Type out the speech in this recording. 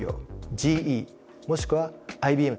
ＧＥもしくはＩＢＭ